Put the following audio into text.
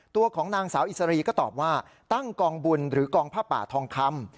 ตัวของนางสาวอิสรีก็ตอบว่าตั้งกองบุญหรือกองผ้าป่าทองคำ